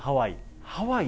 ハワイ。